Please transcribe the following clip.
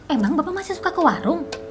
emang bapak masih suka ke warung